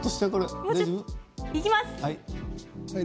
いきます。